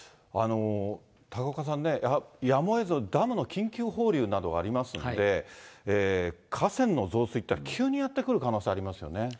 高岡さんね、やむをえずダムの緊急放流などがありますので、河川の増水というのは急にやって来る可能性ありますよね。